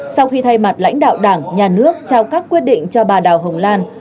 sau khi thay mặt lãnh đạo đảng nhà nước trao các quyết định cho bà đào hồng lan